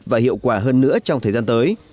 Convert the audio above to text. và hiệu quả hơn nữa trong thời gian tới